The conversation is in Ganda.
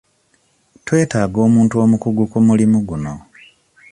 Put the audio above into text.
Twetaaga omuntu omukugu ku mulimu guno.